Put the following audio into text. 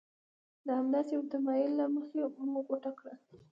د همداسې یوه تمایل له مخې مو غوټه کړه.